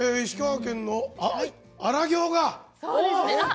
石川県の荒行が。